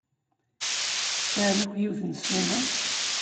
Sɛan akk yiwet n ssuma?